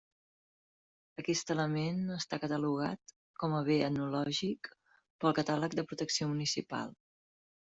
Aquest element està catalogat com a bé etnològic pel catàleg de protecció municipal.